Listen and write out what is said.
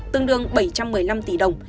tương đương bảy trăm một mươi năm tỷ đồng